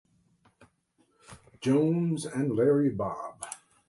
Jones and Larrybob.